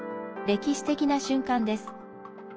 歴史的な瞬間です。